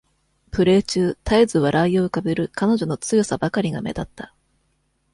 プレー中絶えず笑いを浮かべる彼女の強さばかりが目立った。